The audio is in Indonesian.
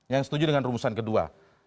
yang setuju dengan rumusan kedua